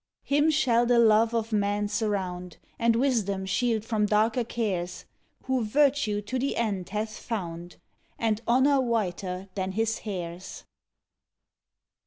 Him shall the love of men surround, And wisdom shield from darker cares. Who virtue to the end hath found And honor whiter than his hairs.